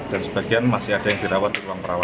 dan sebagian masih ada yang dirawat di ruang perawatan